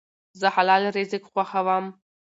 زه حلال رزق خوښوم.